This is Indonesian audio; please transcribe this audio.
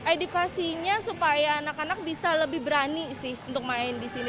edukasinya supaya anak anak bisa lebih berani sih untuk main di sini